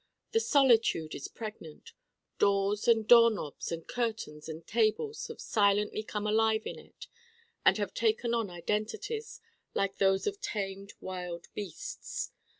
The solitude is pregnant: Doors and Door knobs and Curtains and Tables have silently come alive in it and have taken on identities like those of tamed wild beasts.